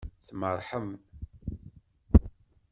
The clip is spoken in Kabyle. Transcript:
Tmerrḥem.